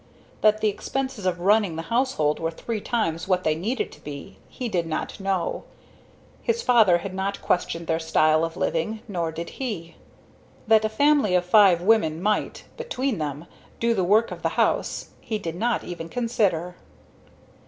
That the expenses of running the household were three times what they needed to be, he did not know. His father had not questioned their style of living, nor did he. That a family of five women might, between them, do the work of the house, he did not even consider.